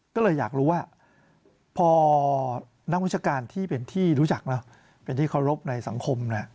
ก็เลยอยากรู้ว่าพอนักวิชาการที่เป็นที่รู้จักเป็นที่เคารพในสังคม